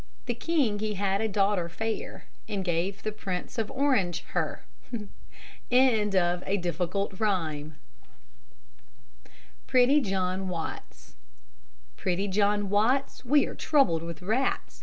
The king he had a daughter fair, And gave the Prince of Orange her. PRETTY JOHN WATTS Pretty John Watts, We are troubled with rats.